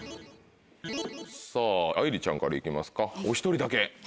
さぁ愛梨ちゃんから行きますかお１人だけ。